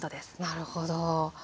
なるほど。